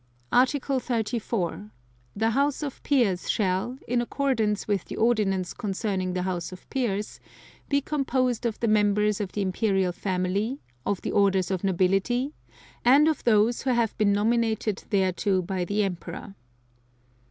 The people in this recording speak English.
Article 34. The House of Peers shall, in accordance with the ordinance concerning the House of Peers, be composed of the members of the Imperial Family, of the orders of nobility, and of those who have been nominated thereto by the Emperor.